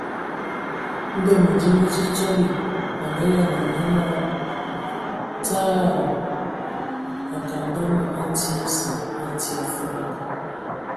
Ndɔ Məndim me Ntsotsɔli a ngayalan nye naa : Tsaarr...ra : Akaŋ dama a tii a nsəŋ, a tii a falag !